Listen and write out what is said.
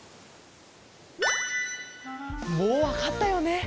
もうわかったよね？